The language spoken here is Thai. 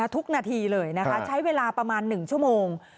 ทุกนาทีเลยนะคะใช้เวลาประมาณ๑ชั่วโมง